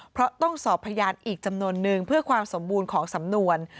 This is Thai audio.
เพราะต้องสอบพยานอีกจำนวนนึงเพื่อความสมบูรณ์ของสำนวน